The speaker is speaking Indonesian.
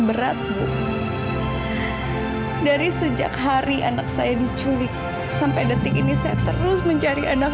berat bu dari sejak hari anak saya diculik sampai detik ini saya terus mencari anak